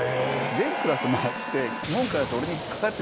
全クラス回って。